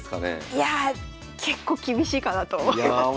いやあ結構厳しいかなと思います。